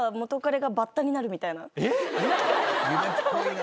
夢っぽいな。